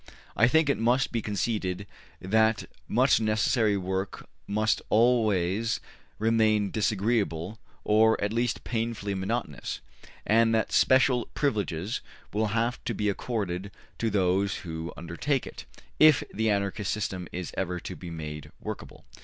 I think it must be conceded that much necessary work must always remain disagreeable or at least painfully monotonous, and that special privileges will have to be accorded to those who undertake it, if the Anarchist system is ever to be made workable.